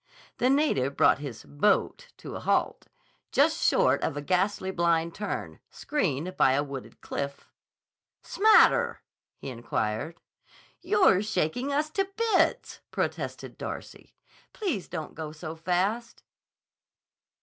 The native brought his "boat" to a halt, just short of a ghastly blind turn, screened by a wooded cliff. "S' matter?" he inquired. "You're shaking us to bits," protested Darcy. "Please don't go so fast."